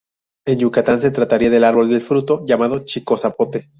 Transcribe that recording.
En Yucatán se trataría del árbol del fruto llamado "chicozapote".